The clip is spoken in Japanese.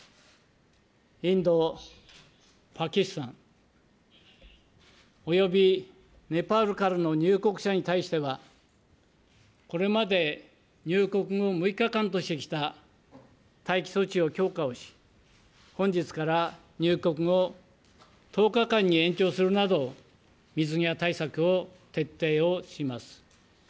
インド、パキスタン、およびネパールからの入国者に対しては、これまで入国後６日間としてきた待機措置を強化をし、本日から入国後１０日間に延長するなど、水際対策を徹底をします。